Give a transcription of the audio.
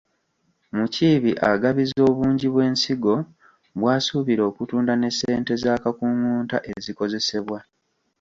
Mukiibi agabiza obungi bw’ensigo bw’asuubira okutunda ne ssente z’akakungunta ezikozesebwa.